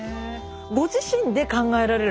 ご自身で考えられるんですか